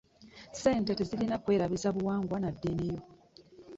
ssente tezirina kwerabiza buwangwa na diini yo.